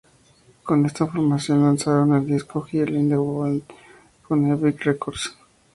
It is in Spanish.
Con esta formación lanzaron el disco "Girl in the Wind" con Epic Records.